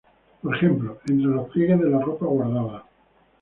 Por ejemplo, entre los pliegues de la ropa guardada.